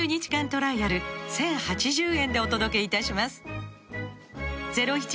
トライアル１０８０円でお届けいたします